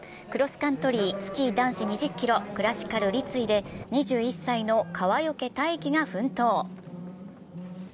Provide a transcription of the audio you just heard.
クロスカントリースキー男子２０ｋｍクラシカル立位で２１歳の川除大輝が奮闘。